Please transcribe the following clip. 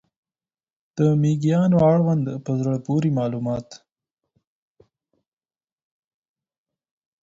د مېږیانو اړوند په زړه پورې معلومات